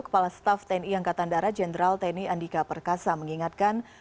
kepala staff tni angkatan darat jenderal tni andika perkasa mengingatkan